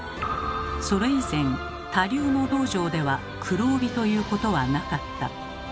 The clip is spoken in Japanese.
「それ以前他流の道場では黒帯ということはなかった。